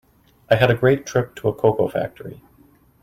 I had a great trip to a cocoa factory.